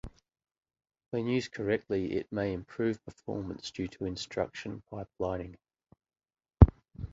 When used correctly, it may improve performance due to instruction pipelining.